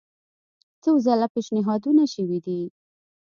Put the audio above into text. څو ځله پېشنهادونه شوي دي.